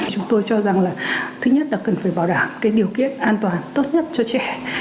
chúng tôi cho rằng là thứ nhất là cần phải bảo đảm cái điều kiện an toàn tốt nhất cho trẻ